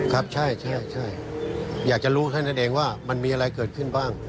ครับใช่อยากจะรู้แค่นั้นเองว่ามันมีอะไรเกิดขึ้นบ้าง